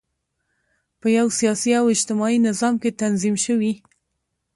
په یوه سیاسي او اجتماعي نظام کې تنظیم شوي.